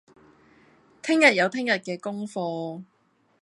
聽日有聽日嘅功課